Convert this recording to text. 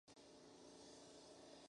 Las flores son de color amarillo pálido.